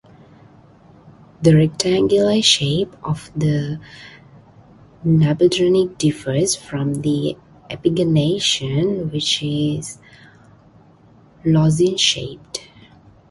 The rectangular shape of the nabedrennik differs from the epigonation, which is lozenge-shaped.